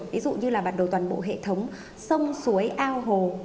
ví dụ như là bản đồ toàn bộ hệ thống sông suối ao hồ